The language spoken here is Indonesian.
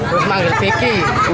terus manggil pikir